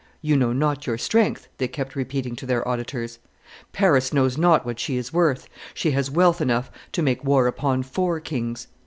"You know not your strength," they kept repeating to their auditors: "Paris knows not what she is worth; she has wealth enough to make war upon four kings.